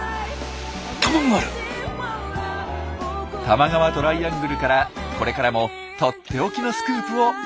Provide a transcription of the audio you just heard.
多摩川トライアングルからこれからもとっておきのスクープをお届けしていきます！